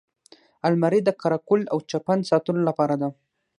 الماري د قره قل او چپن ساتلو لپاره ده